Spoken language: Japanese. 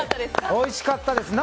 おいしかったです！